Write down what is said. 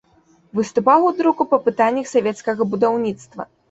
Выступаў у друку па пытаннях савецкага будаўніцтва.